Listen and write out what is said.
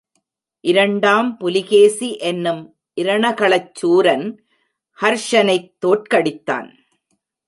இரண்டாம் புலிகேசி எனும் இரணகளச் சூரன் ஹர்ஷனைத் தோற்கடித்தான்.